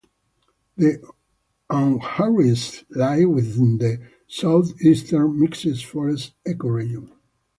The Uwharries lie within the Southeastern mixed forests ecoregion.